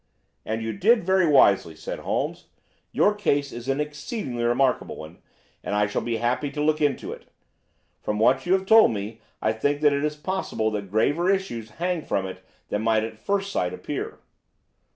"And you did very wisely," said Holmes. "Your case is an exceedingly remarkable one, and I shall be happy to look into it. From what you have told me I think that it is possible that graver issues hang from it than might at first sight appear."